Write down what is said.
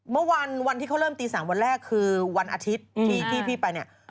เมื่อวานวันที่เขาเริ่มตี๓วันแรกคือวันอาทิตย์ที่พี่ไปเนี่ย